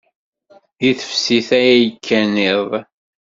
Deg teftist ay kkan iḍ.